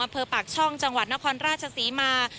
อำเภอปากช่องจังหวัดนครราชศรีมา